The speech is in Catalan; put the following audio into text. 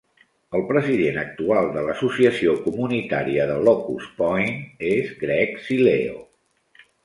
El president actual de l'Associació Comunitària de Locus Point és Greg Sileo.